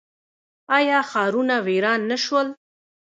آیا ښارونه ویران نه شول؟